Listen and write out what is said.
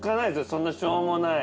そんなしょうもない。